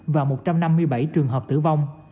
và một trăm năm mươi bảy trường hợp tử vong